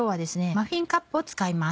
マフィンカップを使います。